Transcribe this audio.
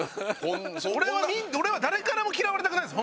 俺は誰からも嫌われたくないです